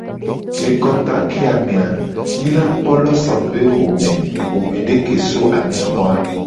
Le kota keya me a, mi la kpo lawson be xome, xomede ke so anexo a.